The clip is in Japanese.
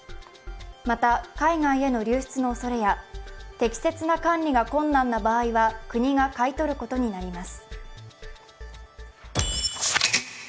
また、海外への流出のおそれや適切な管理が困難な場合は、国が買い取ることになります。